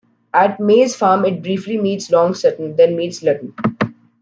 At Maze Farm it briefly meets Long Sutton then meets Lutton.